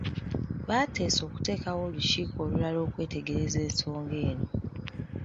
Baateesa okuteekawo olukiiko olulala okwetegereza ensonga eno.